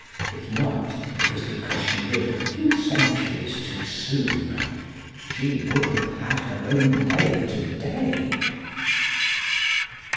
If not, it was because she lived a few centuries too soon. She would have had her own way to day!